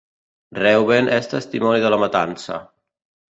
Reuben és testimoni de la matança.